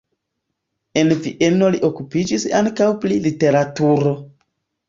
En Vieno li okupiĝis ankaŭ pri literaturo.